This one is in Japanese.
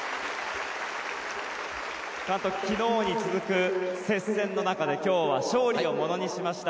監督、昨日に続く接戦の中で今日は勝利をものにしました。